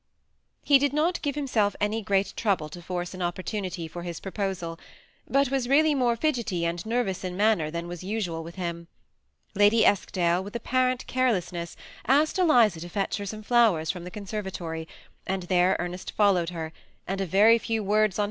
He did not give himself any great trouble to force an opportunity for his proposal, but was really more fidgety and nervous in manner than was usual with him. Lady Eskdale, with apparent carelessness, asked Eliza to fetch her some flowers from the conservatory, and there Ernest followed her, and a very few words on THE SEm AOTACHED CO0PLB.